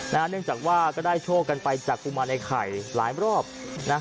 เนื่องจากว่าก็ได้โชคกันไปจากกุมารไอ้ไข่หลายรอบนะ